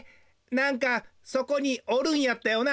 なんかそこにおるんやったよな？